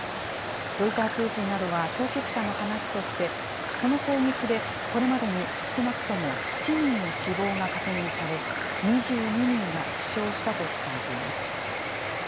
ロイター通信などは当局者の話として、この攻撃で、これまでに少なくとも７人の死亡が確認され、２２人が負傷したと伝えています。